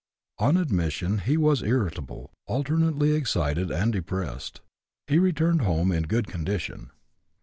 On admission he was irritable, alternately excited and depressed. He returned home in good condition.